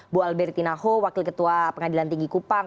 bu alberti naho wakil ketua pengadilan tinggi kupang